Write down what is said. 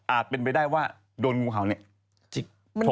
อาจเป็นไปได้ว่าโดนงูเห่าเนี่ย